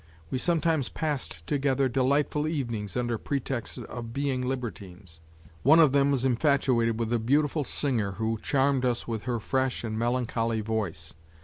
We sometimes passed together delightful evenings under pretext of being libertines. One of them was infatuated with a beautiful singer who charmed us with her fresh and melancholy voice.